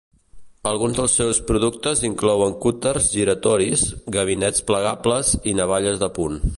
Alguns dels seus productes inclouen cúters giratoris, ganivets plegables i navalles de punt.